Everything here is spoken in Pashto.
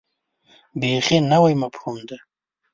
بیخي نوی مفهوم دی.